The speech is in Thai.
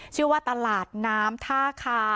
ชื่อว่าตลาดน้ำท่าคา